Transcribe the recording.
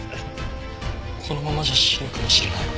このままじゃ死ぬかもしれない。